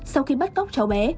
sau khi bắt cóc cháu bé